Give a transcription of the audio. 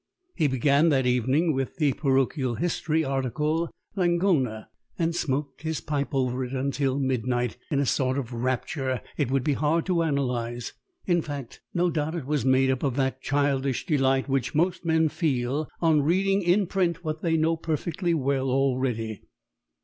He began that evening with the Parochial History, article "Langona," and smoked his pipe over it till midnight in a sort of rapture it would be hard to analyse. In fact, no doubt it was made up of that childish delight which most men feel on reading in print what they know perfectly well already.